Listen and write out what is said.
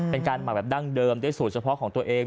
เป็นการหมักแบบดั้งเดิมได้สูตรเฉพาะของตัวเอง